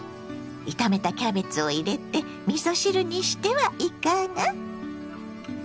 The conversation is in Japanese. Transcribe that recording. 炒めたキャベツを入れてみそ汁にしてはいかが？